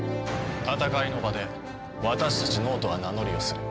戦いの場で私たち脳人は名乗りをする。